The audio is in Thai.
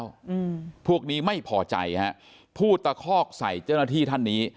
อืมพวกนี้ไม่พอใจฮะพูดตะคอกใส่เจ้าหน้าที่ท่านนี้